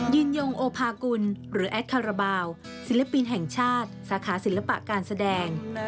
ยงโอภากุลหรือแอดคาราบาลศิลปินแห่งชาติสาขาศิลปะการแสดง